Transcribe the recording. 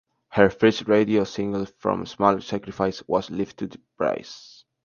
Her first radio single from "Small Sacrifice" was "Live to Praise".